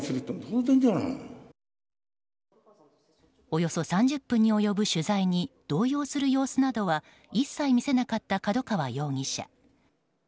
およそ３０分に及ぶ取材に動揺する様子などは一切見せなかった角川容疑者。